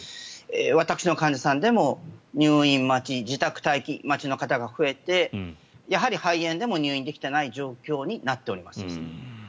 私の患者さんでも入院待ち、自宅待機の方が増えてやはり肺炎でも入院できてない状況になっております。